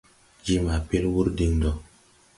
Je ma pel wuur diŋ ndo.